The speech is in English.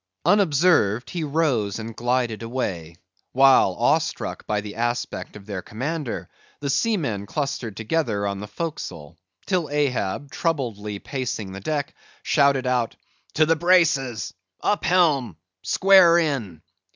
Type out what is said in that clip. Unobserved he rose and glided away; while, awestruck by the aspect of their commander, the seamen clustered together on the forecastle, till Ahab, troubledly pacing the deck, shouted out—"To the braces! Up helm!—square in!"